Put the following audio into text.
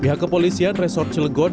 pihak kepolisian resor cilegon